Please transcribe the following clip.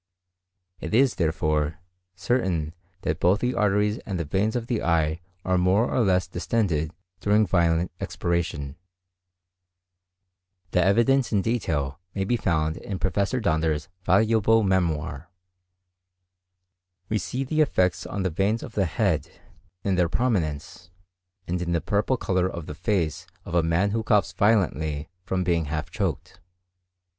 It is, therefore, certain that both the arteries and the veins of the eye are more or less distended during violent expiration. The evidence in detail may be found in Professor Donders' valuable memoir. We see the effects on the veins of the head, in their prominence, and in the purple colour of the face of a man who coughs violently from being half choked.